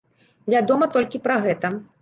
Вядома толькі пра гэта.